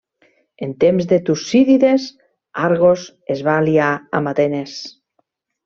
En temps de Tucídides, Argos es va aliar amb Atenes.